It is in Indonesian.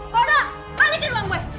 bada balikin uang gue